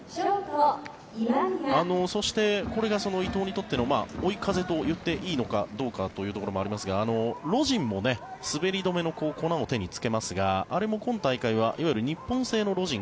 そして、これが伊藤にとっての追い風となったと言っていいのかわかりませんがロジン、滑り止めの粉を手につけますがあれも今大会はいわゆる日本製のロジン